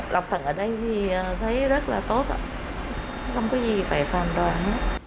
lọc thận ở đây thì thấy rất là tốt không có gì phải phản đoàn